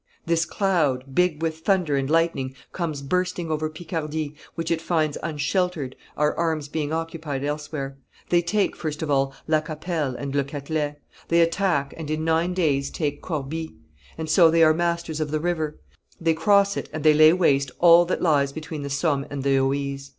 This cloud, big with thunder and lightning, comes bursting over Picardy, which it finds unsheltered, our arms being occupied elsewhere. They take, first of all, La Capelle and Le Catelet; they attack, and in nine days take, Corbie; and so they are masters of the river; they cross it, and they lay waste all that lies between the Somme and the Oise.